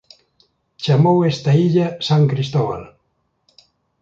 Chamou a esta illa San Cristóbal.